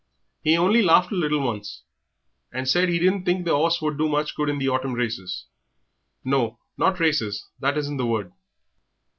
"He only laughed a little once, and said he didn't think the 'orse would do much good in the autumn races no, not races, that isn't the word."